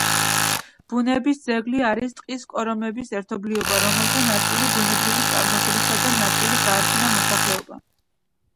ბუნების ძეგლი არის ტყის კორომების ერთობლიობა, რომელთა ნაწილი ბუნებრივი წარმოშობისაა და ნაწილი გააშენა მოსახლეობამ.